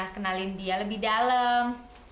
kenalin dia lebih dalam